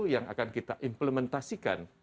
yang akan kita implementasikan